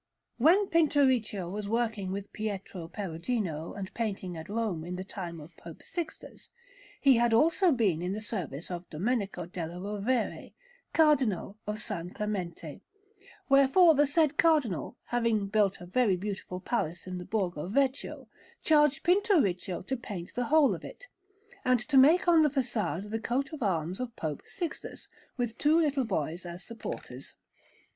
When Pinturicchio was working with Pietro Perugino and painting at Rome in the time of Pope Sixtus, he had also been in the service of Domenico della Rovere, Cardinal of San Clemente; wherefore the said Cardinal, having built a very beautiful palace in the Borgo Vecchio, charged Pinturicchio to paint the whole of it, and to make on the façade the coat of arms of Pope Sixtus, with two little boys as supporters.